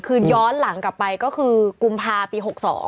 คือย้อนหลังกลับไปก็คือกุมภาปี๖๒